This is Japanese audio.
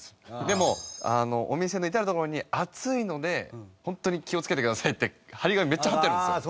でもお店の至る所に「熱いのでホントに気をつけてください」って貼り紙めっちゃ貼ってあるんですよ。